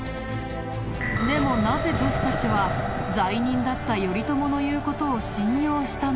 でもなぜ武士たちは罪人だった頼朝の言う事を信用したのかわかるかな？